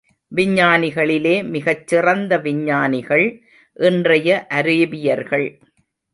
விஞ்ஞானிகளிலே மிகச் சிறந்த விஞ்ஞானிகள் இன்றைய அரேபியர்கள்.